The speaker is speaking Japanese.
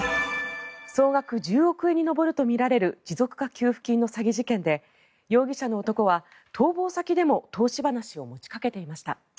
総額１０億円に上るとみられる持続化給付金の詐欺事件で容疑者の男は逃亡先でも投資話を持ちかけていました。